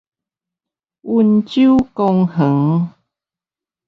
溫州公園